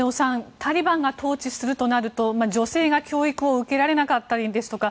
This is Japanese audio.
タリバンが統治するとなると女性が教育を受けられなかったりですとか